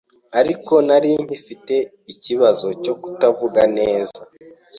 ariko nari nkifite ikibazo cyo kutavuga neza